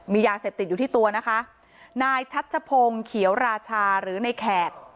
มียาเสพติดอยู่ที่ตัวนะคะนายชัชพงศ์เขียวราชาหรือในแขก